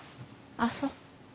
あっそう。